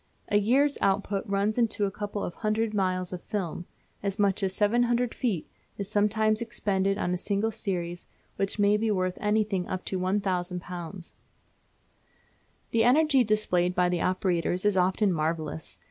A year's output runs into a couple of hundred miles of film. As much as 700 feet is sometimes expended on a single series, which may be worth anything up to £1000. The energy displayed by the operators is often marvellous.